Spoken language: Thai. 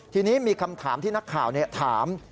ทีนี้มีคำถามที่นักข่าวถาม